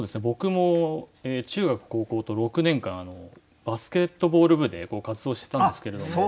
僕も中学高校と６年間バスケットボール部で活動してたんですけれども。